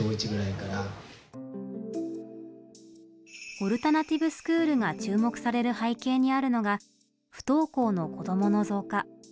オルタナティブスクールが注目される背景にあるのが不登校の子どもの増加。